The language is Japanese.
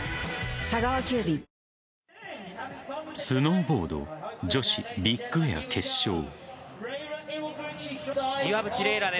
スノーボード女子ビッグエア決勝。